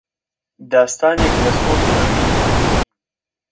داستانێک لە سۆز و ئەوین